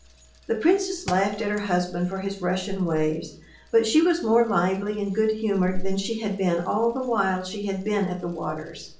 The princess laughed at her husband for his Russian ways, but she was more lively and good humored than she had been all the while she had been at the waters.